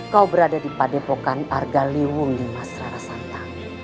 kau berada di padepokan arga liwung di mas rasanta